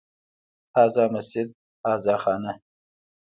هذا مسجد، هذا خانه